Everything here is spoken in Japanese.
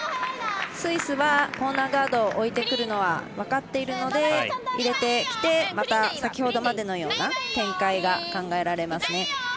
スイスは、コーナーガードを置いてくるのは分かっているので、入れてきてまた先ほどまでのような展開が考えられますね。